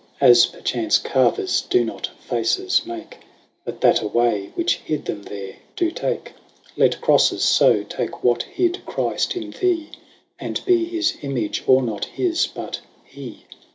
As perchance, Carvers do not faces make, But that away, which hid them there, do take ; Let Crofles, foe, take what hid Chrift in thee, 35 And be his image, or not his, but hee.